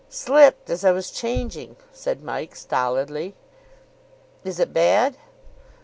"Slipped as I was changing," said Mike stolidly. "Is it bad?"